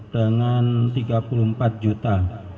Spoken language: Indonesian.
dengan tiga puluh empat juta